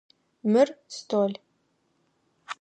Мыр стол.